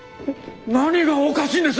何がおかしいんです？